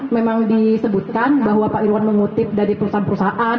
memang disebutkan bahwa pak irwan mengutip dari perusahaan perusahaan